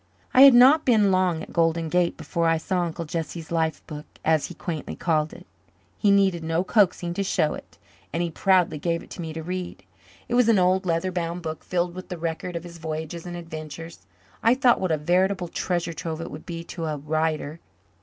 I had not been long at Golden Gate before I saw Uncle Jesse's "life book," as he quaintly called it. He needed no coaxing to show it and he proudly gave it to me to read. It was an old leather bound book filled with the record of his voyages and adventures. I thought what a veritable treasure trove it would be to a writer.